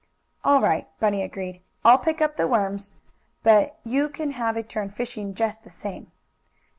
"All right," Bunny agreed. "I'll pick up the worms, but you can have a turn fishing just the same."